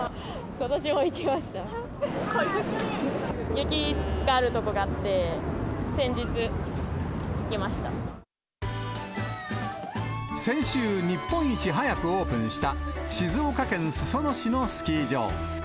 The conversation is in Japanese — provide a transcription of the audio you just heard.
雪があるとこがあって、先週、日本一早くオープンした、静岡県裾野市のスキー場。